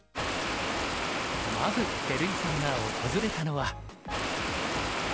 まず照井さんが訪れたのは。